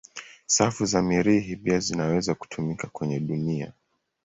Safu za Mirihi pia zinaweza kutumika kwenye dunia.